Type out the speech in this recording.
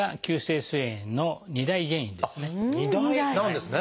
２大なんですね！